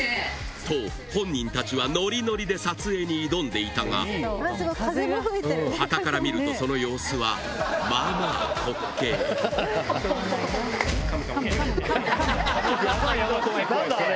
と本人たちはノリノリで撮影に挑んでいたがはたから見るとその様子はまあまあ滑稽ヤバいヤバい何だあれ。